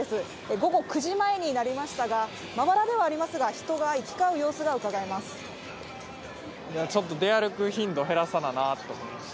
午後９時前になりましたが、まばらではありますが、ちょっと、出歩く頻度減らさななと思って。